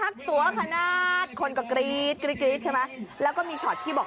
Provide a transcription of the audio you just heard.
เสียงแห่งกว่านี้อีก